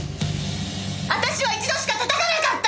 私は一度しかたたかなかった！